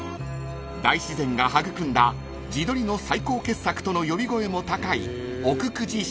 ［大自然が育んだ地鶏の最高傑作との呼び声も高い］